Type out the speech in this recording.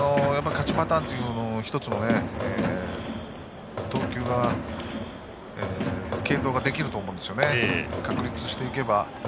勝ちパターンという１つの継投ができると思うので確立していけば。